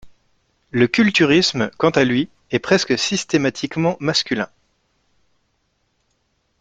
Le culturisme, quant à lui, est presque systématiquement masculin.